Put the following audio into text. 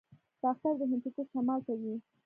باختر د هندوکش شمال ته و